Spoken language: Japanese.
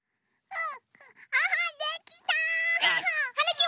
うん！